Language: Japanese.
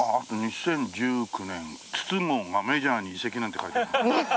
２０１９年筒香がメジャーに移籍なんて書いてあるな。